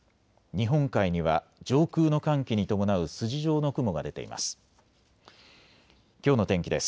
日本海には上空の寒気に伴う筋状の雲が出ています。